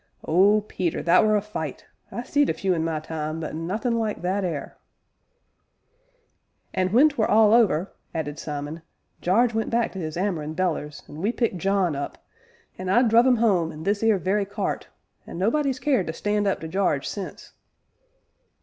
Oh, Peter! that were a fight! I've seed a few in my time, but nothin' like that 'ere." "And when 'twere all over," added Simon, "Jarge went back to 'is 'ammer an' bellers, an' we picked John up, and I druv 'im 'ome in this 'ere very cart, an' nobody's cared to stand up to Jarge since."